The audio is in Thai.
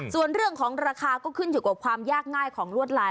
ส่วนเรื่องของราคาก็ขึ้นอยู่กับความยากง่ายของลวดลาย